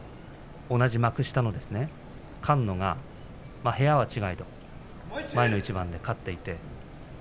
若藤さん、同じ幕下の菅野が部屋は違えど前の一番で勝っています。